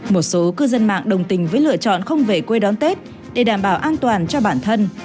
một số cư dân mạng đồng tình với lựa chọn không về quê đón tết để đảm bảo an toàn cho bản thân